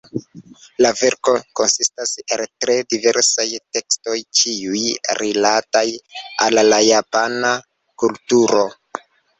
La verko konsistas el tre diversaj tekstoj, ĉiuj rilataj al la Japana kulturo.